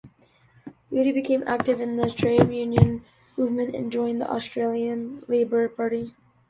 Lutey became active in the trade union movement, and joined the Australian Labour Party.